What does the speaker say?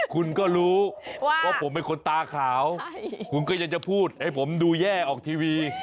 คุณก็รู้ว่าผมเป็นคนตาขาวคุณก็ยังจะพูดให้ผมดูแย่ออกทีวี